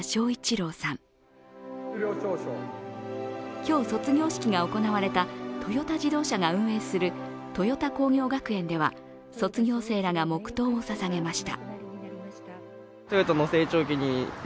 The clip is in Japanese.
今日、卒業式が行われたトヨタ自動車が運営するトヨタ工業学園では卒業生らが黙とうをささげました。